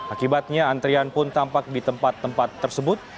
akibatnya antrian pun tampak di tempat tempat tersebut